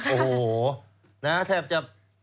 โอ้โหนะแทบจะ